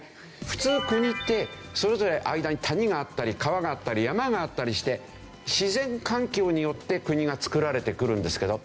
普通国ってそれぞれ間に谷があったり川があったり山があったりして自然環境によって国がつくられてくるんですけど。